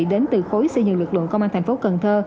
đến từ khối xây dựng lực lượng công an thành phố cần thơ